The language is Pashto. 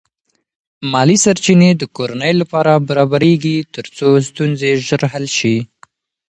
مالی سرچینې د کورنۍ لپاره برابرېږي ترڅو ستونزې ژر حل شي.